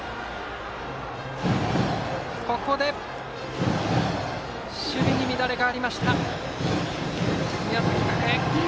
ここで守備に乱れがありました宮崎学園。